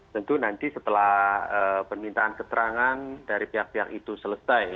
tentu nanti setelah permintaan keterangan dari pihak pihak itu selesai